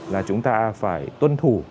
là chúng ta phải tuân thủ